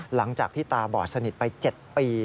หลังจากที่ตาบอดสนิทไป๗ปี